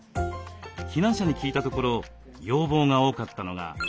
避難者に聞いたところ要望が多かったのが日本語の習得。